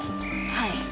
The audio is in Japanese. はい。